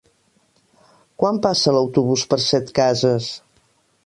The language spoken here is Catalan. Quan passa l'autobús per Setcases?